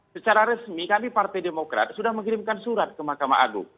secara resmi kami partai demokrat sudah mengirimkan surat ke mahkamah agung